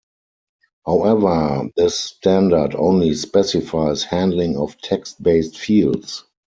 However, this standard only specifies handling of text-based fields.